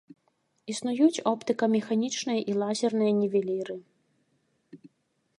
Існуюць оптыка-механічныя і лазерныя нівеліры.